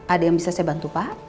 ada yang bisa saya bantu pak